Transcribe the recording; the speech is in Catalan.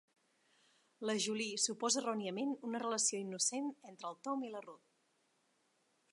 La Julie suposa erròniament una relació innocent entre el Tom i la Ruth.